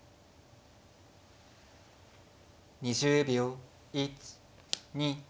２０秒。